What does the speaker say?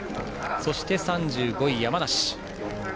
そして３５位、山梨。